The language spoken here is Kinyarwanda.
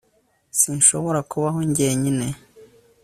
Sinshobora kubaho njyenyine